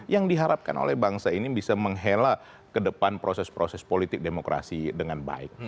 yang diharapkan oleh bangsa ini bisa menghela ke depan proses proses politik demokrasi dengan baik